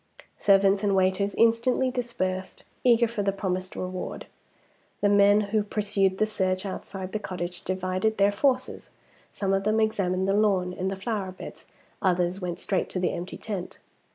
Servants and waiters instantly dispersed, eager for the promised reward. The men who pursued the search outside the cottage divided their forces. Some of them examined the lawn and the flower beds. Others went straight to the empty tent.